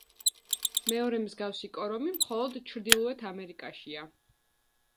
მეორე მსგავსი კორომი მხოლოდ ჩრდილოეთ ამერიკაშია.